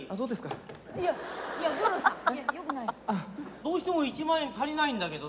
どうしても１万円足りないんだけどね。